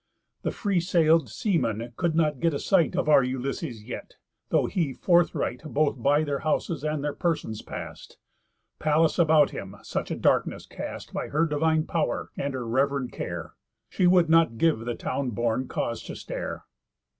The free sail'd seamen could not get a sight Of our Ulysses yet, though he forthright Both by their houses and their persons past, Pallas about him such a darkness cast By her divine pow'r, and her rev'rend care, She would not give the town born cause to stare.